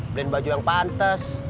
beliin baju yang pantes